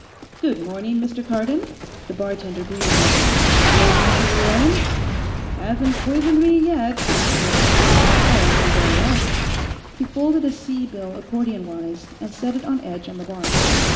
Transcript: "Good morning, Mr. Cardon," the bartender greeted him. "Still drinking your own?" "Hasn't poisoned me yet," Cardon told him. "Or anybody else." He folded a C bill accordion wise and set it on edge on the bar.